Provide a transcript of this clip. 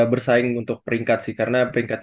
bersaing untuk peringkat sih karena peringkat